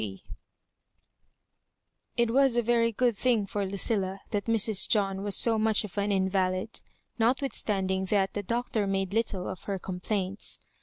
• It was a very good thing for Lucilla that Mrs. John was so much of an invalid, notwithstanding that the Doctor made little of her complaints.